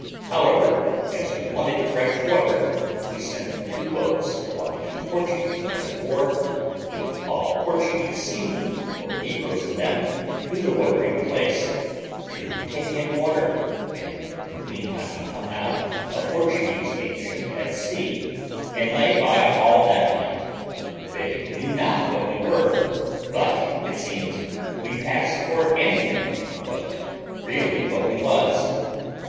However, as we wanted fresh water, we sent the two boats belonging to the Portuguese man of war, with all Portuguese seamen or negroes in them, to the watering place, to take in water; and in the meantime we hung out a Portuguese ancient at sea, and lay by all that night. They knew not what we were, but it seems we passed for anything but really what we was.